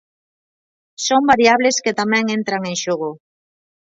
Son variables que tamén entran en xogo.